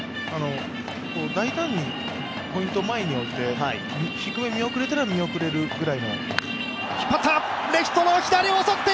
大胆にポイントを前に置いて見送れたら見送れるぐらいの。